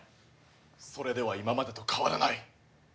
それでは今までと変わらない！